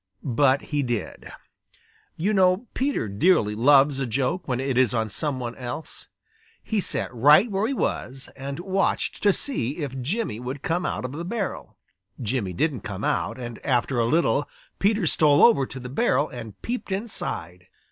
But he did. You know Peter dearly loves a joke when it is on some one else. He sat right where he was and watched to see if Jimmy would come out of the barrel. Jimmy didn't come out, and after a little Peter stole over to the barrel and peeped inside.